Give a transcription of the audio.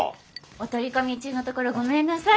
お取り込み中のところごめんなさい。